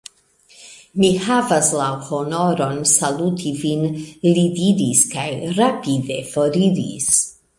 Mi havas la honoron saluti vin, li diris kaj rapide foriris.